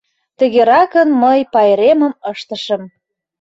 Тыгеракын мый пайремым ыштышым.